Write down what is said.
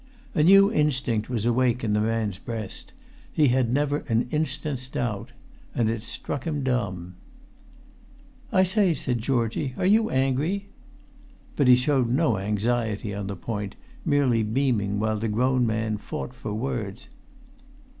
A new instinct was awake in the man's breast; he had never an instant's doubt. And it struck him dumb. "I say," said Georgie, "are you angry?" But he showed no anxiety on the point, merely beaming while the grown man fought for words.